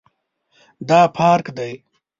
دا پارک دی